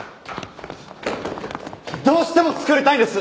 どうしても作りたいんです！